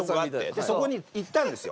でそこに行ったんですよ。